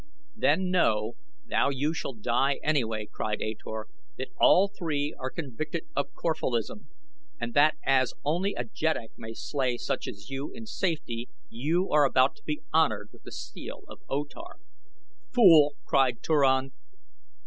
"Then know, though you shall die anyway," cried O Tar, "that all three are convicted of Corphalism and that as only a jeddak may slay such as you in safety you are about to be honored with the steel of O Tar." "Fool!" cried Turan.